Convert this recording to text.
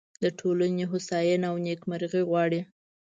د ټولنې هوساینه او نیکمرغي غواړي.